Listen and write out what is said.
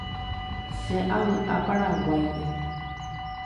Che avy'a Paraguáipe.